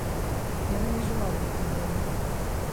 Яна не жыла ў гэтым доме.